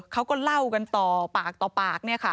เขาก็เล่ากันต่อปากต่อปาก